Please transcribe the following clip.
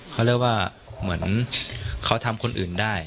เขาเรียกว่าเหมือนเขาทำคนอื่นได้